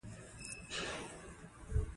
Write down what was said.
باز د خپل هدف لپاره تمرکز کوي